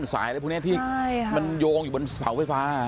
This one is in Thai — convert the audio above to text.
สายอะไรพวกนี้ที่มันโยงอยู่บนเสาไฟฟ้า